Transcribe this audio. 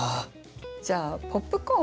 じゃあ「ポップコーン」は？